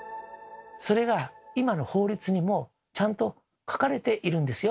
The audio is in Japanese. それが今の法律にもちゃんと書かれているんですよ。